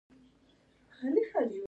دویم شرط د برابر ارزښت قایل کېدل دي.